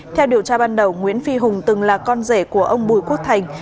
theo điều tra ban đầu nguyễn phi hùng từng là con rể của ông bùi quốc thành